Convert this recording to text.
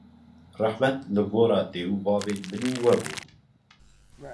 rehmet li gora dê û bavên min û we bû